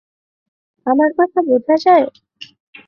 আমার কথা বুঝা যায়?